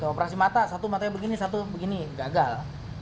operasi mata satu matanya begini satu begini gagal